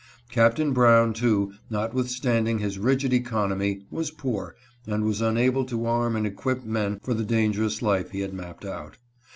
Captain Brown, too, notwithstanding his rigid economy, was poor, and was unable to arm and equip men for the dangerous life he had mapped out.